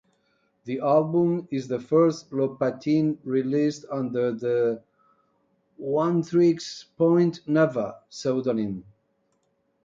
The album is the first Lopatin released under the "Oneohtrix Point Never" pseudonym.